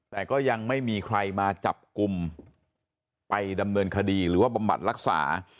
แต่ก็ยังไม่มีใครมาจับกลุ่มไปดำเนินคดีหรือว่าบำบัดรักษา